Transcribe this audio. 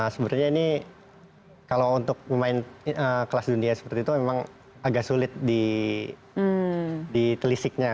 sebenarnya ini kalau untuk pemain kelas dunia seperti itu memang agak banyak